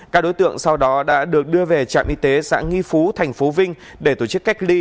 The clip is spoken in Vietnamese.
các đối tượng sau đó đã được đưa về trạm y tế xã nghi phú thành phố vinh để tổ chức cách ly